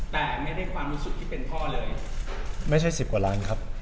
แต่ไม่ได้ความรู้สึกที่เป็นพ่อเลยไม่ใช่๑๐กว่าล้านครับ